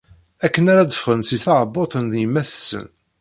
Akken ara d-ffɣen si tɛebbuṭ n yemma-tsen.